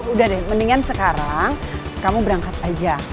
udah deh mendingan sekarang kamu berangkat aja